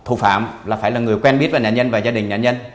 và thù phạm là phải là người quen biết về nhà nhân và gia đình nhà nhân